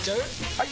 ・はい！